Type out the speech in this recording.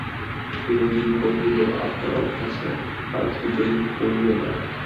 বিনোদিনী কহিল, আপনার অভ্যাস নাই, কাজ কী যদি পড়িয়া যান।